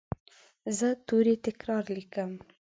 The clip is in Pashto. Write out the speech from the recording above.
زه توري تکرار لیکم.